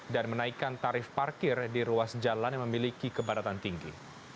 dan menaikkan tarif parkir di ruas jalan yang memiliki kebaratan tinggi